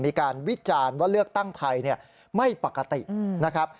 มีการวิจารณ์ว่าเลือกตั้งไทยไม่ปกตินะครับ